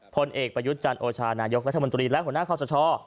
พลเอกประยุทธ์จันโอชานายกรัฐมนตรีและหัวหน้าคอสช